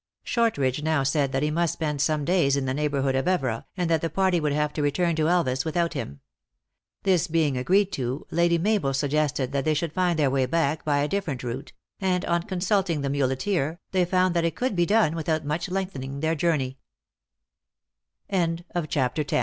Shortridge now said that he must spend some days in the neighborhood of Evora, and that the party would have to return to Elvas without him. This being agreed to, Lady Mabel suggested that they should find their way back by a different route, and, on consulting the muleteer, they found that it could be done without much lengthe